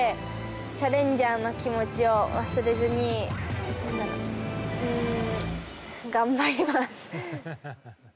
チャレンジャーの気持ちを忘れずに頑張ります。